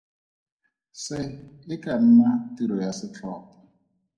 Se e ka nna tiro ya setlhopha.